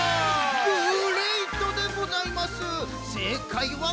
グレイトでございます！